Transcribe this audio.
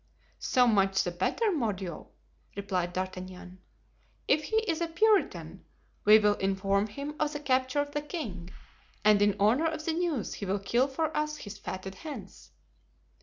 "So much the better, mordioux!" replied D'Artagnan; "if he is a Puritan we will inform him of the capture of the king, and in honor of the news he will kill for us his fatted hens."